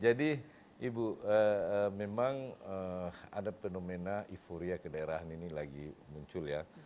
jadi ibu memang ada fenomena euphoria ke daerah ini lagi muncul ya